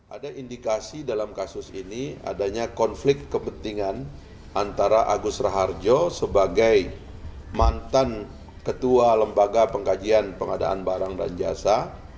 ada indikasi dalam kasus ini adanya konflik kepentingan antara agus raharjo sebagai mantan ketua lembaga pengkajian pengadaan barang dan jasa